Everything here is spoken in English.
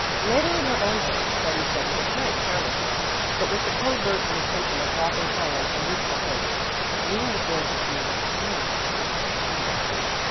Later, in their own room, Betty said with apparent carelessness but with the covert intention of dropping Helen a useful hint, "You aren't going to see Miss Barnes, are you? I'm not."